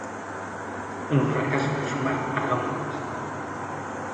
Un fracaso que sumar á longa lista.